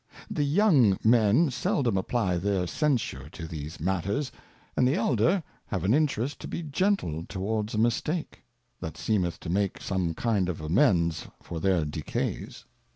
The young Men seldom apply their censure to these Matters ; and the elder have an Interest to be gentle towards a Mistake, that seemeth to make some kind of amends for their Decays.